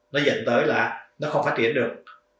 nó dẫn tới là nó không phát triển được